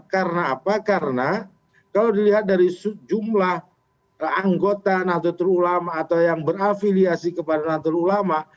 karena apa karena kalau dilihat dari jumlah anggota nahdlatul ulama atau yang berafiliasi kepada nahdlatul ulama